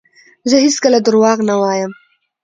زه هیڅکله درواغ نه وایم.